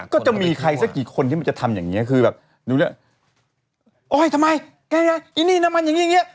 ก็จะมีใครสักกี่คนที่มันจะทำอย่างงี้คือแบบดูเนี่ยโอ๊ยทำไมไอ้นี่น้ำมันอย่างงี้